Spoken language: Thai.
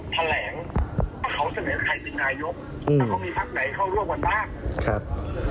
ครับ